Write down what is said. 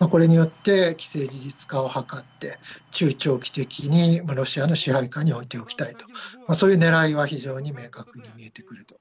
これによって、既成事実化を図って、中長期的にロシアの支配下に置いておきたいと、そういうねらいは非常に明確に見えてくると。